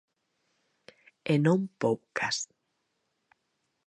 E non poucas.